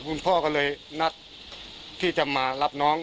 คุณพ่อก็เลยนัดที่จะมารับน้อง